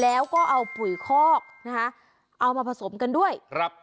แล้วก็เอาปุ๋ยคอกนะคะเอามาผสมกันด้วยครับ